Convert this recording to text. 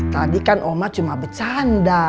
tadi kan umat cuma bercanda